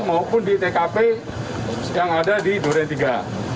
maupun di tkp yang ada di duritiga